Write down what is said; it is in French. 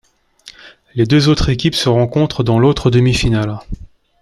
Les deux autres équipes se rencontrent dans l'autre demi-finale.